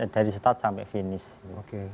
dari start sampai finish